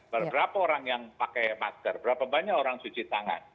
berapa orang yang pakai masker berapa banyak orang cuci tangan